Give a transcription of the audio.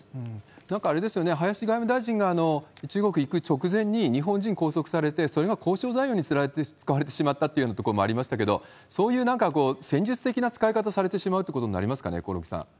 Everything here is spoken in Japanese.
なんかあれですよね、林外務大臣が中国行く直前に日本人拘束されて、それが交渉材料に使われてしまったというようなところもありましたけれども、そういうなんか、戦術的な使い方されてしまうということになりますかね？